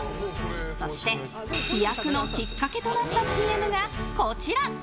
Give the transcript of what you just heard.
そして、飛躍のきっかけとなったＣＭがこちら。